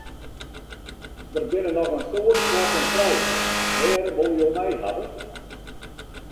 Der binne noch in soad plakken frij, wêr wolle jo my hawwe?